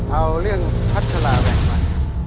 เอาเรื่องพัชราแรงมา